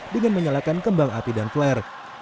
dengan menyalakan kembang api dan flare